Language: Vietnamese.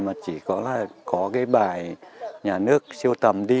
mà chỉ có là có cái bài nhà nước siêu tầm đi